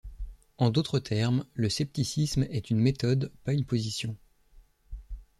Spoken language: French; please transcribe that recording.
En d'autres termes, le scepticisme est une méthode, pas une position.